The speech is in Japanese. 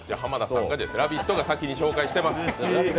「ラヴィット！」が先に紹介してます！